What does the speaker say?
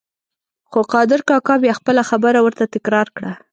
خو قادر کاکا بیا خپله خبره ورته تکرار کړه.